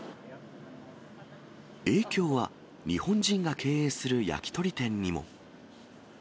影響は日本人が経営する焼き鳥店にも。